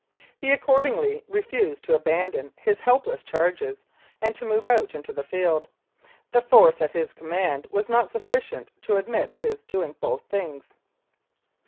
He accordingly refused to abandon his helpless charges and to move out into the field. The force at his command was not sufficient to admit of his doing both things.